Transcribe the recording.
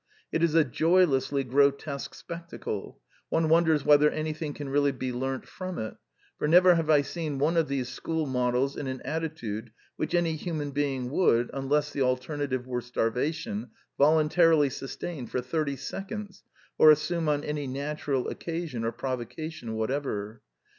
It is a joylessly grotesque spectacle: one wonders whether anything can really be learnt from it; for never have I seen one of these school models in an attitude which any human being would, unless the alternative were starvation, voluntarily sustain for thirty seconds, or assume on any natural occasion or provocation whatever.